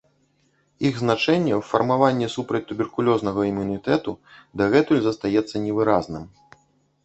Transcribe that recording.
Іх значэнне ў фармаванні супрацьтуберкулёзнага імунітэту дагэтуль застаецца невыразным.